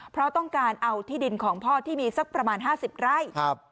เพราะต้องการเอาที่ดินของพ่อที่มีสักประมาณ๕๐ไร่